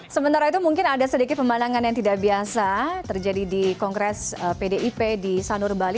sementara itu mungkin ada sedikit pemandangan yang tidak biasa terjadi di kongres pdip di sanur bali